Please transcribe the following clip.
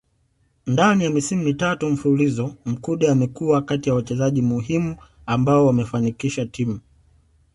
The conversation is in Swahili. Ndani ya misimu mitatu mfululizo Mkude amekuwa kati ya wachezaji muhimu ambao wameifanikisha timu